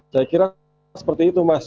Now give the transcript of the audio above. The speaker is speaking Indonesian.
saya kira seperti itu mas